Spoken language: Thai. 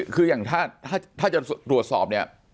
คืออย่างถ้าจะตรวจสอบเนี่ย